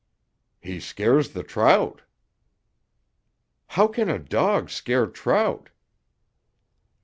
"He scares the trout." "How can a dog scare trout?"